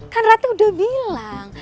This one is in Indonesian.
kan rati udah bilang